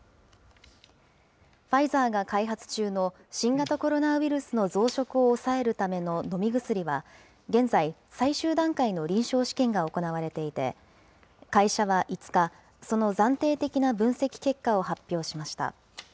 ファイザーが開発中の新型コロナウイルスの増殖を抑えるための飲み薬は現在、最終段階の臨床試験が行われていて、会社は５日、その暫定的な分析結果を発表しました。